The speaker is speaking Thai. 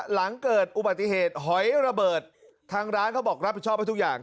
หลังเกิดอุบัติเหตุหอยระเบิดทางร้านเขาบอกรับผิดชอบให้ทุกอย่าง